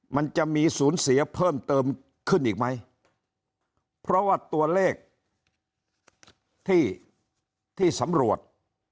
มันจะมีศูนย์เสียเพิ่มเติมขึ้นอีกไหมเพราะว่าตัวเลขที่ที่สำรวจ